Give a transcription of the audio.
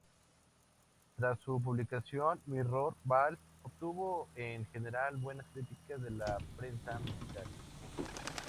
Tras su publicación, "Mirror Ball" obtuvo en general buenas críticas de la prensa musical.